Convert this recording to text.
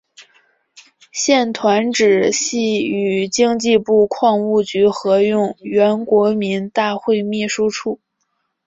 现团址系与经济部矿务局合用原国民大会秘书处。